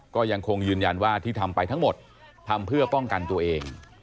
ก็ยังคงยืนยันว่าที่ทำไปทั้งหมดทำเพื่อป้องกันตัวเอง